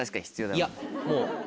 いやもう。